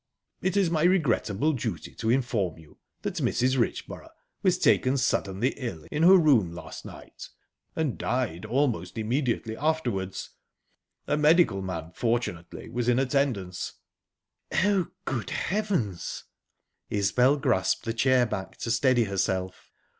"It is my regrettable duty to inform you that Mrs. Richborough was taken suddenly ill in her room last night, and died almost immediately afterwards. A medical man fortunately was in attendance." "Oh, good heavens!..." Isbel grasped the chair back to steady herself.